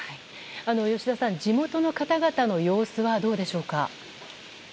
吉田さん、地元の方々の様子はどうでしょうか？